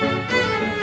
ya udah mbak